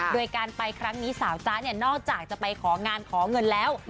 โดยการไปครั้งนี้สาวจ๊ะเนี่ยนอกจากจะไปของานขอเงินแล้ว